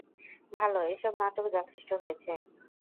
ভালো, এসব নাটক যথেষ্ট হয়েছে।